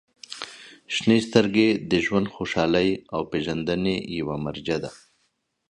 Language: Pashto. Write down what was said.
• شنې سترګې د ژوند خوشحالۍ او پېژندنې یوه مرجع ده.